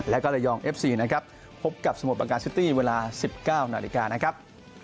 แล้วก็ระยองเอฟซีนะครับพบกับสมุทรประการซิตี้เวลา๑๙นาฬิกานะครับ